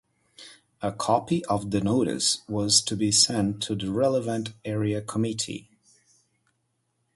A copy of the notice was to be sent to the relevant Area Committee.